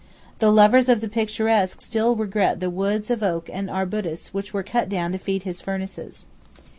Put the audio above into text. The lovers of the picturesque still regret the woods of oak and arbutus which were cut down to feed his furnaces.